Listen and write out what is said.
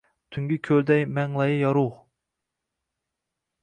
Tungi koʼlday manglayi yorugʼ —